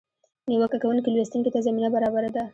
نیوکه کوونکي لوستونکي ته زمینه برابره ده.